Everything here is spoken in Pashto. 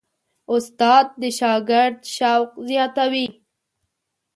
استاد د شاګرد شوق زیاتوي.